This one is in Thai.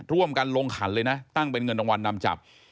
ร่วมกันลงขันเลยนะตั้งเป็นเงินรางวัลนำจับ